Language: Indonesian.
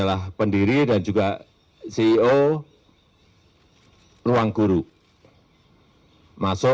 umur dua puluh sembilan tahun s dua nya ganda lulusan harvard university dan stanford university di amerika serikat